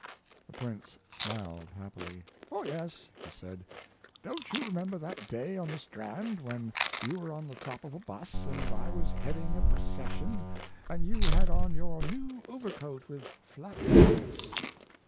The Prince smiled happily. "Oh yes," he said; "don't you remember that day on the Strand when you were on the top of a bus and I was heading a procession and you had on your new overcoat with flap pockets?"